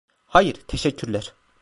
Hayır teşekkürler.